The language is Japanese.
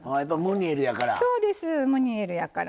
ムニエルやから。